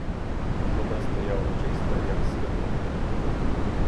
Вода стояла чиста, як сльоза.